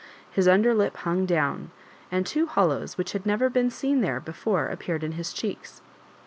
His under lip hung down, and two hollows which had never been seen there before appeared in his cheeks.